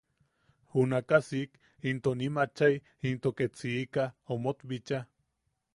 Junakaʼa siik, into nim achai into ket siika omot bichaa.